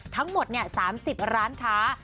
ทั้งหมด๓๐ร้านค้า